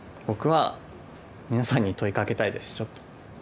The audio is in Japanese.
僕は皆さんに問いかけたいですちょっと。